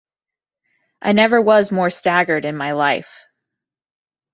I never was more staggered in my life.